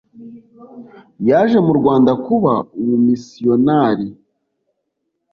yaje mu Rwanda kuba umumisiyonari